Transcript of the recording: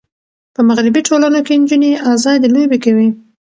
په مغربي ټولنو کې نجونې آزادې لوبې کوي.